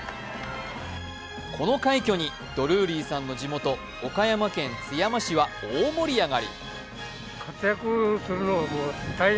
この快挙にドルーリーさんの地元岡山県津山市は大盛り上がり。